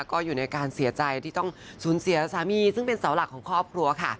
ก็อยู่ในการเสียใจที่ต้องสูญเสียสามีซึ่งเป็นเสาหลักของครอบครัวค่ะ